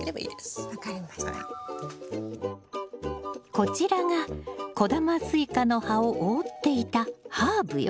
こちらが小玉スイカの葉を覆っていたハーブよ。